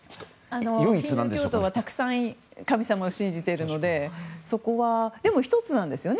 ヒンドゥー教徒はたくさん神様を信じているのでそこはでも、１つなんですよね